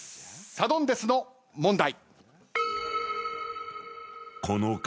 サドンデスの問題。